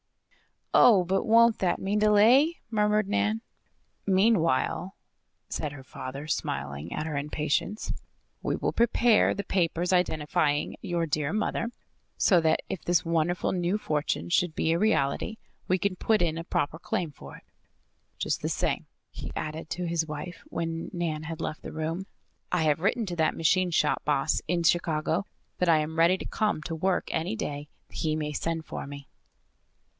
"Oh! But won't that mean delay?" murmured Nan. "Meanwhile," said her father, smiling at her impatience, "we will prepare the papers identifying your dear mother so that, if this wonderful new fortune should be a reality, we can put in a proper claim for it. Just the same," he added to his wife, when Nan had left the room, "I have written to that machine shop boss in Chicago that I am ready to come to work any day he may send for me."